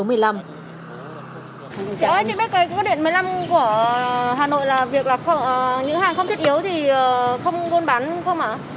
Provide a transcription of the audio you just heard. chị ơi chị biết cái công điện một mươi năm của hà nội là việc là những hàng không thiết yếu thì không gôn bán không ạ